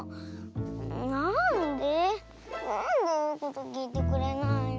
なんでなんでいうこときいてくれないの。